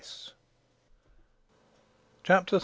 CHAPTER VI.